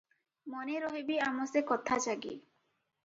ମନେ ରହିବି ଆମ ସେ କଥା ଜାଗି ।